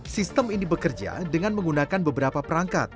sistem ini bekerja dengan menggunakan beberapa perangkat